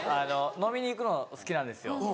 飲みに行くの好きなんですよ。